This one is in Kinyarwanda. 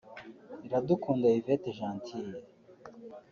Iradukunda Hyvette Gentille